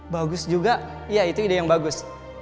bagus juga ya itu ide yang bagus